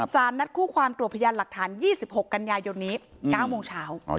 สารนัดคู่ความตรวจพยานหลักฐาน๒๖กันยายนนี้๙โมงเช้า